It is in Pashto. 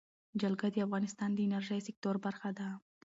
جلګه د افغانستان د انرژۍ سکتور برخه ده.